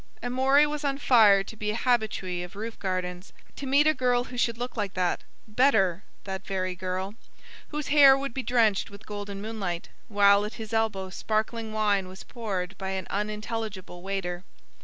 Amory was on fire to be an habitui of roof gardens, to meet a girl who should look like that—better, that very girl; whose hair would be drenched with golden moonlight, while at his elbow sparkling wine was poured by an unintelligible waiter.